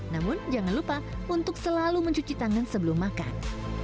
namun jangan lupa untuk selalu mencuci tangan sebelum makan